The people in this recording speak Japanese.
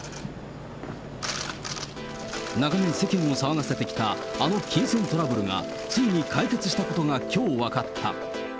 長年、世間を騒がせてきたあの金銭トラブルが、ついに解決したことがきょう分かった。